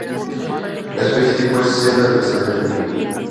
La especie tipo es: "Senna alexandrina Mill.